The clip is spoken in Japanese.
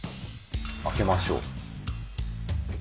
開けましょう。